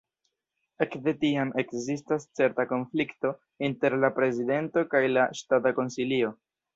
Ekde tiam ekzistas certa konflikto inter la prezidento kaj la Ŝtata Konsilio.